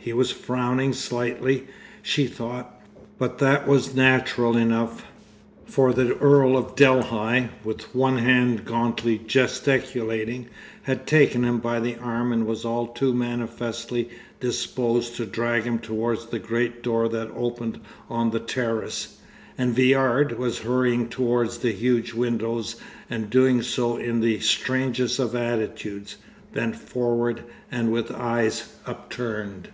He was frowning slightly, she thought, but that was natural enough, for the Earl of Delhi, with one hand gauntly gesticulating, had taken him by the arm and was all too manifestly disposed to drag him towards the great door that opened on the terrace. And Viard was hurrying towards the huge windows and doing so in the strangest of attitudes, bent forward and with eyes upturned.